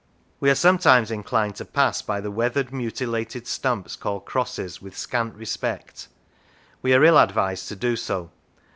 We are sometimes inclined to pass by the weathered mutilated stumps called crosses with scant respect; we are ill advised to do so.